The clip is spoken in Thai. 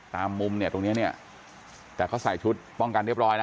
มุมเนี่ยตรงเนี้ยเนี่ยแต่เขาใส่ชุดป้องกันเรียบร้อยนะ